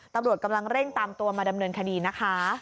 ตำรวจกำลังเร่งตามตัวมาดำเนินคดีนะคะ